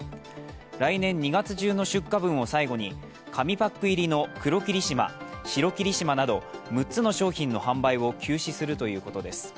来年２月中の出荷分を最後に紙パック入りの黒霧島、白霧島などの６つの商品の販売を休止するということです。